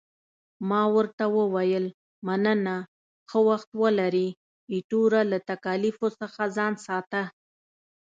ما ورته وویل، مننه، ښه وخت ولرې، ایټوره، له تکالیفو څخه ځان ساته.